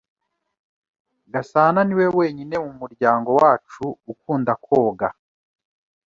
Gasananiwe wenyine mu muryango wacu ukunda koga.